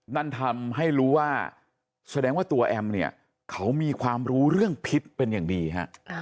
นั่นทำให้รู้ว่าแสดงว่าตัวแอมเนี่ยเขามีความรู้เรื่องพิษเป็นอย่างดีฮะ